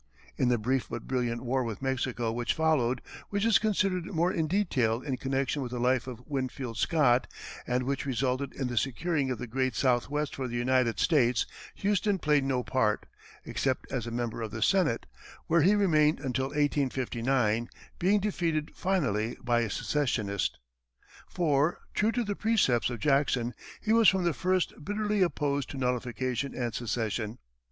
In the brief but brilliant war with Mexico which followed, which is considered more in detail in connection with the life of Winfield Scott, and which resulted in the securing of the great Southwest for the United States, Houston played no part, except as a member of the Senate, where he remained until 1859, being defeated finally by a secessionist. For, true to the precepts of Jackson, he was from the first bitterly opposed to nullification and secession.